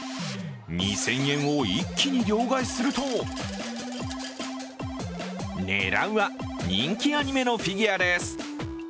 ２０００円を一気に両替すると狙うは人気アニメのフィギュアです。